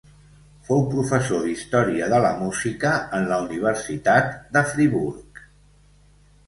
Fou professor d'història de la Música en la Universitat de Friburg.